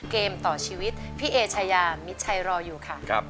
เกมต่อชีวิตพี่เอชายามิดชัยรออยู่ค่ะ